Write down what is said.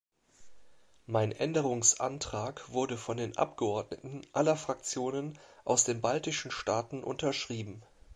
Mein Änderungsantrag wurde von den Abgeordneten aller Fraktionen aus den baltischen Staaten unterschrieben.